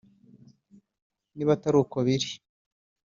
Niba atari uko biri